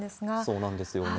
そうなんですよね。